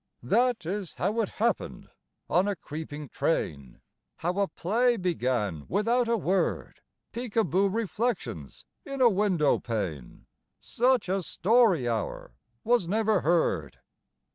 That is how it happened on a creeping train, How a play began without a word, Peekaboo reflections in a window pane, Such a story hour was never heard.